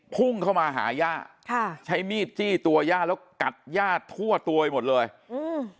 พุ่งเข้ามาหาย่าค่ะใช้มีดจี้ตัวย่าแล้วกัดย่าทั่วตัวไปหมดเลยอืม